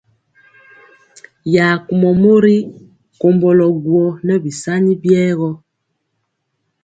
Ya kumɔ mori komblo guó nɛ bisani biewa.